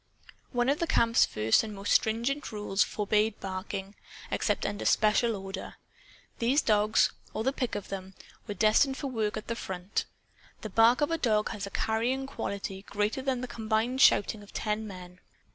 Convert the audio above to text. One of the camp's first and most stringent rules forbade barking, except under special order. These dogs or the pick of them were destined for work at the front. The bark of a dog has a carrying quality greater than the combined shouting of ten men.